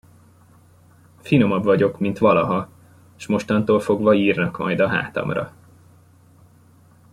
Finomabb vagyok, mint valaha, s mostantól fogva írnak majd a hátamra.